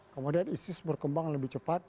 kemudian isis berkembang lebih cepat